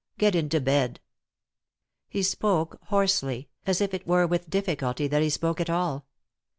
Get into bed." He spoke hoarsely, as if it were with difficulty that be spoke at all.